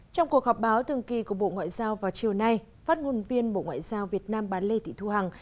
trong cuộc họp báo thường kỳ của bộ ngoại giao vào chiều nay phát ngôn viên bộ ngoại giao việt nam bán lê thị thu hằng